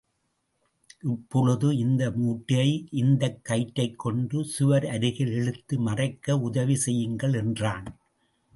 இப்பொழுது இந்த மூட்டையை, இந்தக் கயிற்றைக் கொண்டு சுவர் அருகில் இழுத்து மறைக்க உதவி செய்யுங்கள் என்றான்.